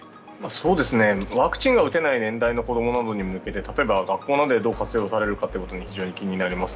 ワクチンが打てない年代の子供などに向けて例えば、学校などでどう活用されるのかが非常に気になります。